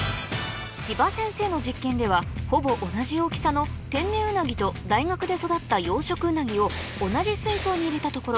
千葉先生の実験ではほぼ同じ大きさの天然ウナギと大学で育った養殖ウナギを同じ水槽に入れたところ